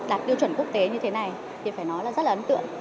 đạt tiêu chuẩn quốc tế như thế này thì phải nói là rất là ấn tượng